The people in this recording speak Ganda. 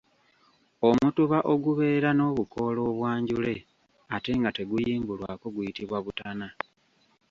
Omutuba ogubeera n'obukoola obwanjule ate nga teguyimbulwako guyitibwa butana.